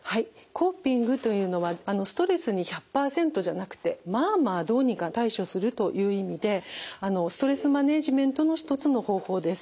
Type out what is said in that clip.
コーピングというのはストレスに１００％じゃなくてまあまあどうにか対処するという意味でストレスマネジメントの一つの方法です。